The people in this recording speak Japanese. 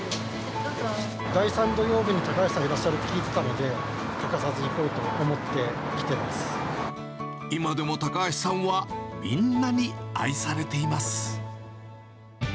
第３土曜日に高橋さんがいらっしゃるって聞いてたので、欠かさず行こうと思って来ていま今でも高橋さんは、みんなに愛されています。